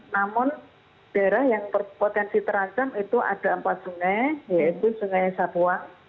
namun daerah yang berpotensi terancam itu ada empat sungai yaitu sungai sapuang